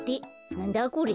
なんだこれ？